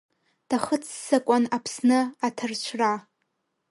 Дахыццакуан Аԥсны аҭарцәра.